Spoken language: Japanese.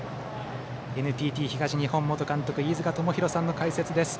ＮＴＴ東日本元監督飯塚智広さんの解説です。